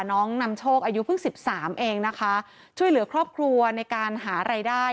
นำโชคอายุเพิ่งสิบสามเองนะคะช่วยเหลือครอบครัวในการหารายได้